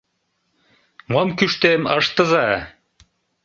— Мом кӱштем, ыштыза!